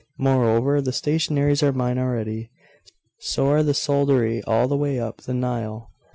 Moreover, the stationaries are mine already. So are the soldiery all the way up the Nile.